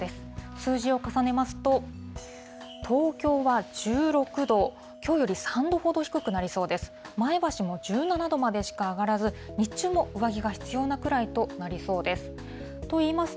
数字を重ねますと、東京は１６度、きょうより３度ほど低くなりそうです。